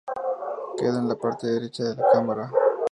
Queda en la parte derecha de la cámara.